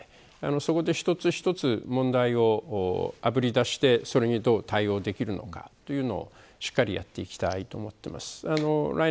そこで、一つ一つ問題をあぶり出してそれにどう対応できるのかというのをしっかりやっていきたいと思っています。